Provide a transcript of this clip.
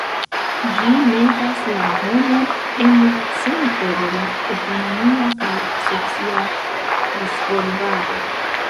Ĝi metas la homon en la centron de la ekonomia kaj socia disvolvado.